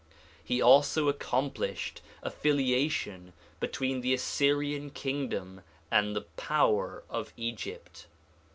He also accomplished affiliation between the Assyrian kingdom and the power of Egypt.